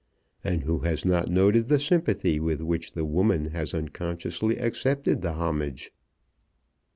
And who has not noted the sympathy with which the woman has unconsciously accepted the homage?